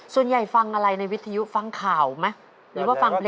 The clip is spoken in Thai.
ส่วนใหญ่ฟังอะไรในวิทยุฟังข่าวไหมหรือว่าฟังเพลง